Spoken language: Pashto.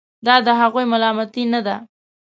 دا د هغوی ملامتي نه ده.